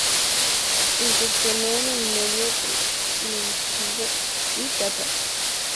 Incursionó en el medio televisivo y teatral.